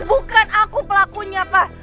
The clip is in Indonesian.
bukan aku pelakunya pak